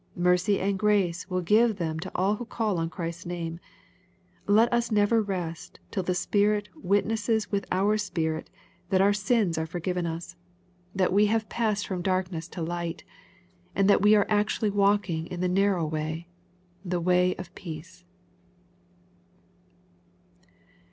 Mercy and grace will give them to all who call on Christ's name. — ^Let us never rest till the Spirit witnesses with our spirit that our sins are forgiven us, — that we 48 EXPOSITOBT THOUGHTS. nave passed from darkness to light, and that we are actually walking in the narrow way, the way of peace.